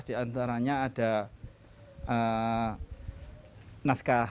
di antaranya ada naskah